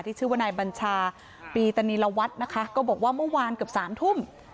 ชื่อว่านายบัญชาปีตนีรวัตรนะคะก็บอกว่าเมื่อวานเกือบสามทุ่ม